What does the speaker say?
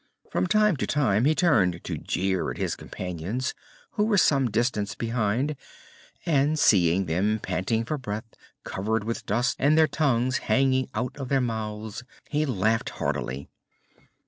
From time to time he turned to jeer at his companions, who were some distance behind, and, seeing them panting for breath, covered with dust, and their tongues hanging out of their mouths, he laughed heartily.